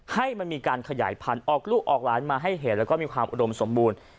ให้มันมีการขยายพันธุ์ออกลูกออกหลานมาให้เห็นแล้วก็มีความอุดมสมบูรณ์